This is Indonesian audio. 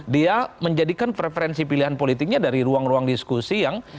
dia menjadikan preferensi pilihan politiknya dari ruang ruang diskusi yang